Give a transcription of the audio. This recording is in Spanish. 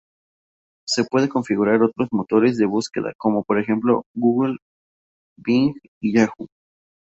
Se puede configurar otros motores de búsqueda, como por ejemplo Google, Bing y Yahoo.